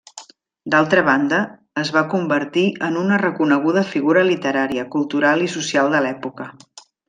D'altra banda, es va convertir en una reconeguda figura literària, cultural i social de l'època.